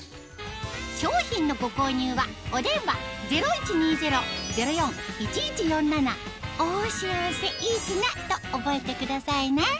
商品のご購入はお電話０１２０−０４−１１４７と覚えてくださいね